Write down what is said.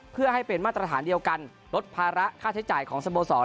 เพื่อให้เป็นมาตรฐานเดียวกันลดภาระค่าใช้จ่ายของสโมสร